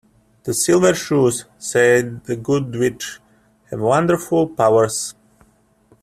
"The Silver Shoes," said the Good Witch, "have wonderful powers".